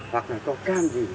hoặc là có cam gì